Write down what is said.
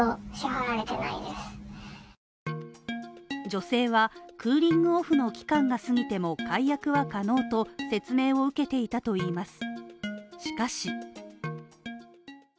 女性はクーリングオフの期間が過ぎても解約は可能と説明を受けていたといいます。